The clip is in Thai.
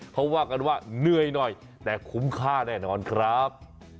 เขาว่ากันว่าเหนื่อยหน่อยแต่คุ้มค่าแน่นอนครับ